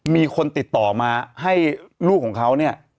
มีคนติดต่อมาให้ลูกของเขาเนี่ย